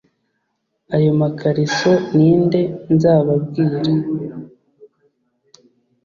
Ayo makariso ninde nzababwira